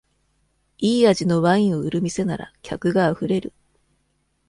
いい味のワインを売る店なら、客があふれる。